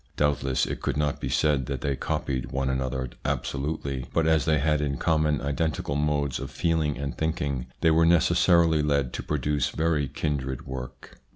Doubtless it could not be said that they copied one another absolutely, but as they had in common identical modes of feeling and thinking, they were necessarily led to produce very kindred work.